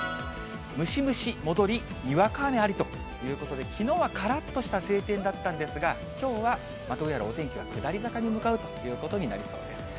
ムシムシ戻りにわか雨ありということで、きのうはからっとした晴天だったんですが、きょうはどうやらお天気は下り坂に向かうということになりそうです。